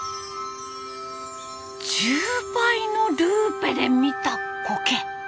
１０倍のルーペで見たコケ！